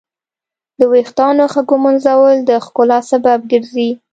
د ویښتانو ښه ږمنځول د ښکلا سبب ګرځي.